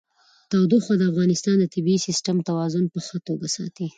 تودوخه د افغانستان د طبعي سیسټم توازن په ښه توګه ساتي.